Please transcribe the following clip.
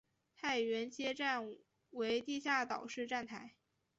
太原街站为地下岛式站台。